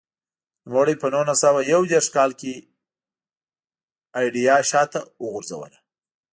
نوموړي په نولس سوه یو دېرش کال کې ایډیا شاته وغورځوله.